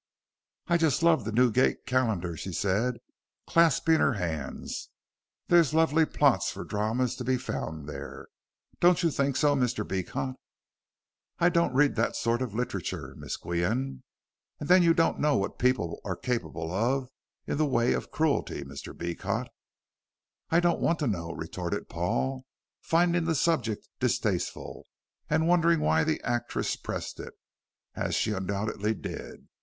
"I just love the Newgate Calendar," she said, clasping her hands. "There's lovely plots for dramas to be found there. Don't you think so, Mr. Beecot?" "I don't read that sort of literature, Miss Qian." "Ah, then you don't know what people are capable of in the way of cruelty, Mr. Beecot." "I don't want to know," retorted Paul, finding the subject distasteful and wondering why the actress pressed it, as she undoubtedly did.